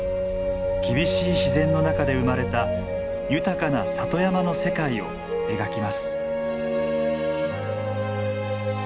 厳しい自然の中で生まれた豊かな里山の世界を描きます。